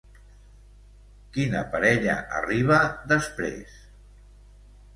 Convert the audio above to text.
Quina parella arriba després?